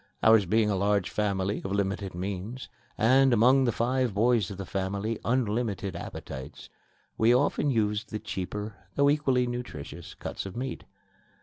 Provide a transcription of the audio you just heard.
Ours being a large family of limited means and, among the five boys of the family, unlimited appetites, we often used the cheaper, though equally nutritious, cuts of meat.